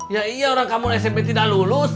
ya iya orang kampung smp tidak lulus